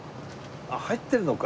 あっ入ってるのか。